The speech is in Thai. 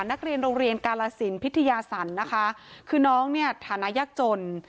นักเรียนโรงเรียนกาลสินพิทยาศรนะคะคือน้องเนี่ยฐานะยากจน